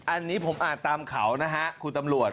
อันนี้ผมอ่านตามข่าวนะครับคุณตำรวจ